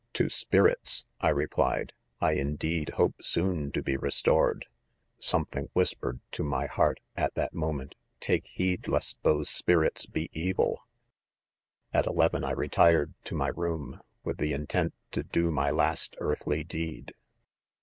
/2b spirits, I replied, I in deed, hope soon to, be restored ! Something whispered to my heart, at , that moment, s take teed lest those .spirits. .be evil. 5 c At. eleven I retired to my room, with the Intent to, do my last earthly deed.